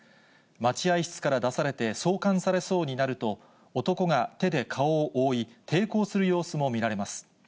待合室から出されて送還されそうになると、男が手で顔を覆い、抵抗する様子も見られます。